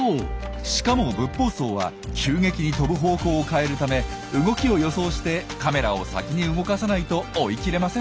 しかもブッポウソウは急激に飛ぶ方向を変えるため動きを予想してカメラを先に動かさないと追いきれません。